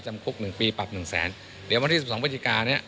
จะจำคุก๑ปีปรับ๑แสนเดี๋ยวมาที่๑๒พฤศจิกา